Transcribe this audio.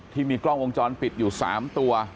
ที่มีกล้องวงจรปิดอยู่๓ตัว